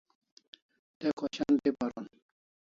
Te khoshan thi paron